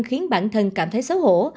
khiến bản thân cảm thấy xấu hổ